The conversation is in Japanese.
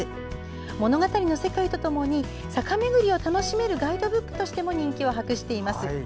物語の世界とともに坂めぐりを楽しめるガイドブックとしても人気を博しています。